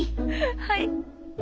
はい。